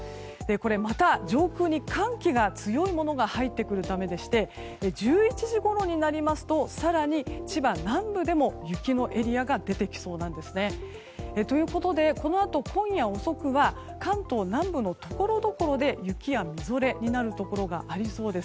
また、上空に寒気が強いものが入ってくるためでして１１時ごろになりますと更に千葉南部でも雪のエリアが出てきそうなんですね。ということでこのあと今夜遅くは関東南部のところどころで雪やみぞれになるところがありそうです。